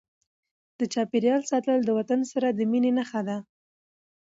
د چاپیریال ساتل د وطن سره د مینې نښه ده.